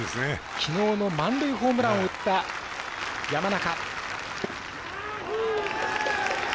きのうの満塁ホームランを打った山中。